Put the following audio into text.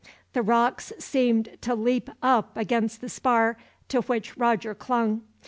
The rocks seemed to leap up against the spar to which Roger clung.